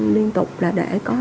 liên tục là để có